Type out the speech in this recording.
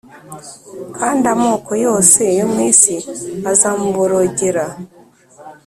kandi amoko yose yo mu isi azamuborogera.